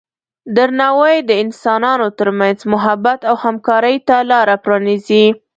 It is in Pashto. درناوی د انسانانو ترمنځ محبت او همکارۍ ته لاره پرانیزي.